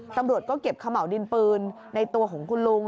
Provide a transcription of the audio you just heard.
ตำรวจก็เก็บขม่าวดินปืนในตัวของคุณลุง